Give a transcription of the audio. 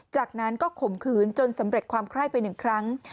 จากนั้นก็ข่มขืนจนสำเร็จความไคร้ไป๑ครั้ง